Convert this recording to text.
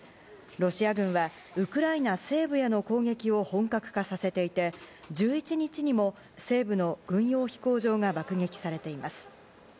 ロシア軍はウクライナ西部への攻撃を本格化させていて１１日にも西部の軍用飛行場が爆撃されています。